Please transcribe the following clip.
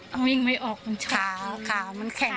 มึงไม่ออกมันชักหนึ่งขามันแข็ง